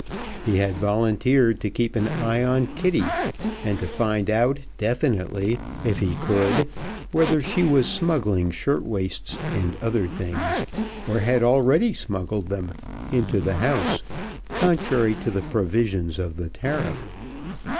He had volunteered to keep an eye on Kitty, and to find out definitely, if he could, whether she was smuggling shirt waists and other things or had already smuggled them into the house, contrary to the provisions of the tariff.